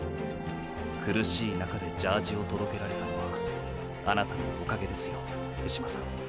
苦しい中でジャージを届けられたのはあなたのおかげですよ手嶋さん。